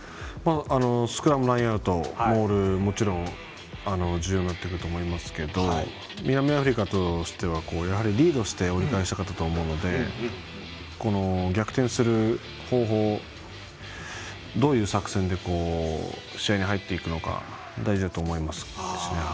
スクラム、ラインアウトモールももちろん、重要になってくると思いますが南アフリカとしてはリードして折り返したかったと思うので逆転する方法、どういう作戦で試合に入っていくのかが大事だと思いますね。